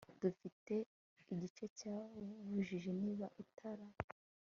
Dufite igice cya buji niba itara